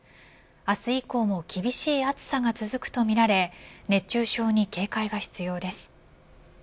明日以降も厳しい暑さが続くとみられ熱中症に警戒が必要です。